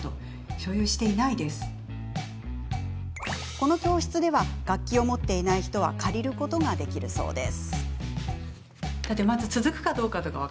この教室では楽器を持っていない人は借りることができるそうです。